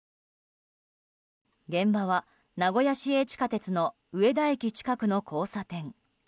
現場は名古屋市営地下鉄の植田駅近くの交差点。